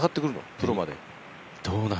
プロまで。